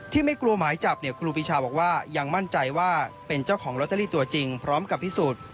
ไม่กลัวหมายจับเนี่ยครูปีชาบอกว่ายังมั่นใจว่าเป็นเจ้าของลอตเตอรี่ตัวจริงพร้อมกับพิสูจน์